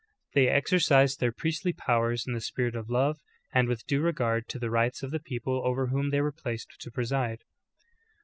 They exercised their priestly powers in the spirit of love, and with due re gard to the rights of the people over whom they were placed to preside.